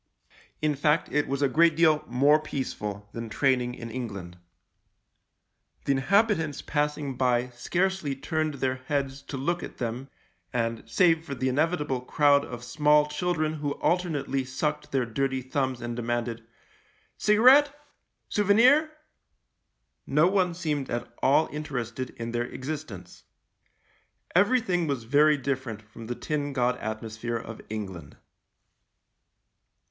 In fact, it was a great deal more peaceful than training in England. The inhabitants passing by scarcely turned their heads to look at them — and, save for the inevitable crowd of small children who alternately sucked their dirty thumbs and demanded, " Cigarette, sou venir," no one seemed at all interested in their existence. Everything was very different from the tin god atmosphere of England.